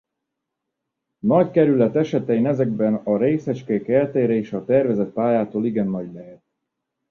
Nagy kerület esetén ezekben a részecskék eltérése a tervezett pályától igen nagy lehet.